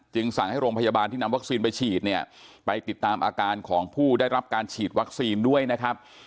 สั่งให้โรงพยาบาลที่นำวัคซีนไปฉีดเนี่ยไปติดตามอาการของผู้ได้รับการฉีดวัคซีนด้วยนะครับ